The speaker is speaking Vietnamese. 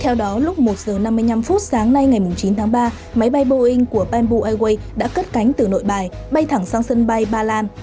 theo đó lúc một giờ năm mươi năm sáng nay ngày chín tháng ba máy bay boeing của bamboo airways đã cất cánh từ nội bài bay thẳng sang sân bay ba lan